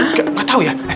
nggak tau ya